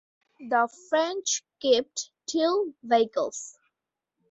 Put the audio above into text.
The French kept two vehicles.